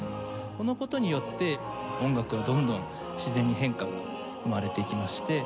この事によって音楽はどんどん自然に変化が生まれていきまして。